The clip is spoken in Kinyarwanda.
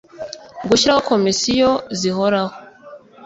Gushyiraho komisiyo zihoraho